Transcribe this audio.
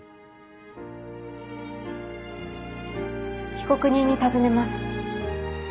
被告人に尋ねます。